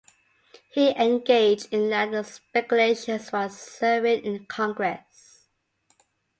He engaged in land speculations while serving in Congress.